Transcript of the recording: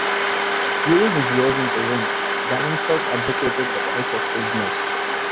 During his years in prison, Galanskov advocated the rights of prisoners.